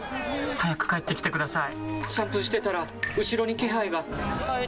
早く帰ってきてください！